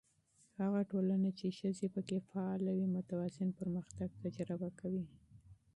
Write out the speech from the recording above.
هغه ټولنه چې ښځې پکې فعاله وي، متوازن پرمختګ تجربه کوي.